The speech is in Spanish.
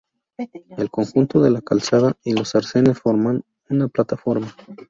El conjunto de la calzada y los arcenes forman una plataforma.